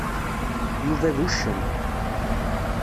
Yuba d uccen.